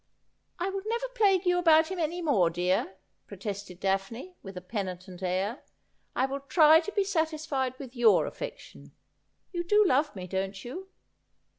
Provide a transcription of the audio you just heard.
' I will never plague you about him any more, dear,' pro tested Daphne, with a penitent air. ' I will try to be satisfied with your affection. You do love me, don't you